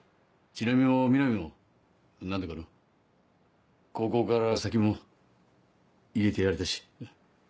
千波も美波も何とかの高校から先も入れてやれたし。